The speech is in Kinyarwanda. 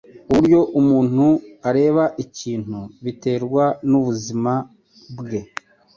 Uburyo umuntu areba ikintu biterwa nubuzima bwe.